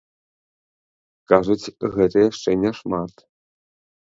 Кажуць, гэта яшчэ не шмат.